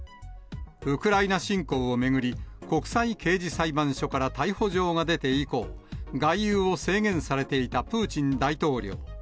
ウクライナ侵攻を巡り、国際刑事裁判所から逮捕状が出て以降、外遊を制限されていたプーチン大統領。